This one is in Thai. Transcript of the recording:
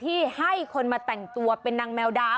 ให้คนมาแต่งตัวเป็นนางแมวดาว